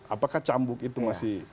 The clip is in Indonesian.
apakah cambuk itu masih